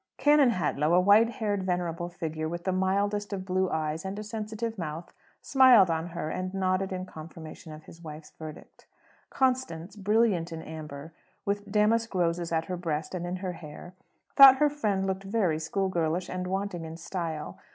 Canon Hadlow a white haired venerable figure, with the mildest of blue eyes, and a sensitive mouth smiled on her, and nodded in confirmation of his wife's verdict. Constance, brilliant in amber, with damask roses at her breast and in her hair, thought her friend looked very school girlish, and wanting in style.